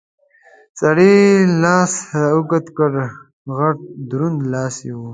سړي لاس را اوږد کړ، غټ دروند لاس یې و.